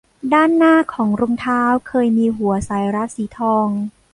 ด้านหน้าของรองเท้าเคยมีหัวสายรัดสีทอง